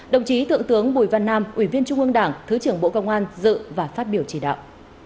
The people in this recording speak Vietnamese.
đồng chí thượng tướng bùi văn nam ủy viên trung ương đảng thứ trưởng bộ công an dự và phát biểu chỉ đạo